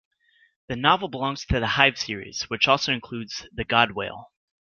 The novel belongs to the Hive series, which also includes "The Godwhale".